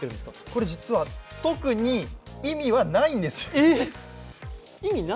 これ実は特に意味はないんですよ。